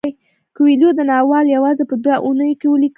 کویلیو دا ناول یوازې په دوه اونیو کې ولیکه.